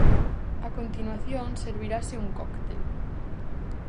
A continuación servirase un cóctel.